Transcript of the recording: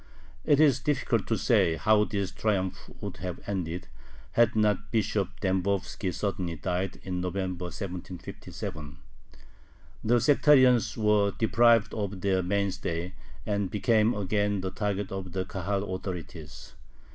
It is difficult to say how this triumph would have ended, had not Bishop Dembovski suddenly died, in November, 1757. The sectarians were deprived of their mainstay, and became again the target of the Kahal authorities.